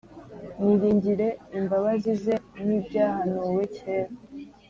Niringire imbabazi ze, N’ ibyahanuwe kera.